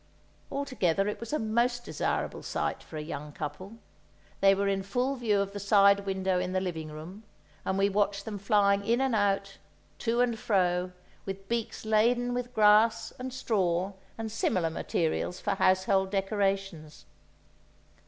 Altogether it was a most desirable site for a young couple. They were in full view of the side window in the living room, and we watched them flying in and out, to and fro, with beaks laden with grass and straw and similar materials for household decorations.